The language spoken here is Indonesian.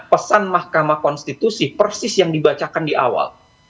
pesan mahkamah konstitusi persis yang dibacakan di awal